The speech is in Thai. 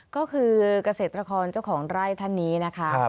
ก็คือเกษตรกรเจ้าของไร่ท่านนี้นะคะ